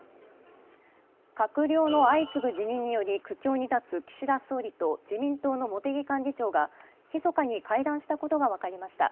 閣僚の相次ぐ辞任により苦境に立つ岸田総理と自民党も茂木幹事長がひそかに会談したことが分かりました。